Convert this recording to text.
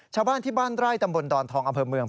ชาวบ้านที่บ้านไร่ตำบลดอนทองอำเภอเมือง